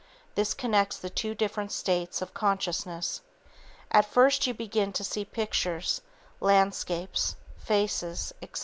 This connects the two different states of consciousness. At first you begin to see pictures, landscapes, faces, etc.